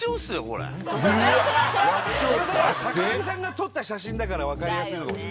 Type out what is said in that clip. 坂上さんが撮った写真だから分かりやすいのかもしれない。